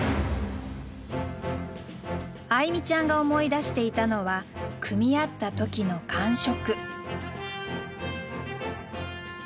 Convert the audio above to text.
愛実ちゃんが思い出していたのは組み合った時の感触。